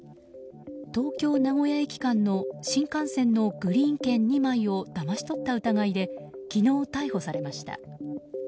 東京名古屋駅間の新幹線のグリーン券２枚をだまし取った疑いで昨日、逮捕されました。